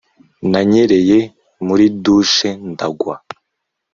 Nanyereye muri dushe ndagwa